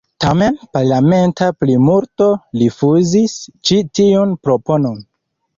Tamen, parlamenta plimulto rifuzis ĉi tiun proponon.